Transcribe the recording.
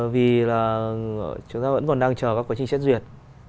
vì là chúng ta vẫn còn đang chờ các quá trình xét duyệt